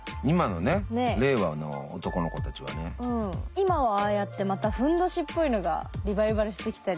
今はああやってまた褌っぽいのがリバイバルしてきたり。